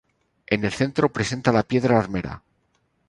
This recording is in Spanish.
En el centro presenta la piedra armera.